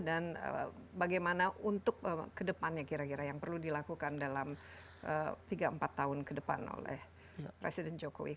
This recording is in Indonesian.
dan bagaimana untuk kedepannya kira kira yang perlu dilakukan dalam tiga empat tahun ke depan oleh presiden jokowi